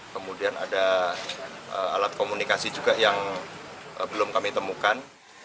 kemudian ada alat komunikasi juga yang belum kami temukan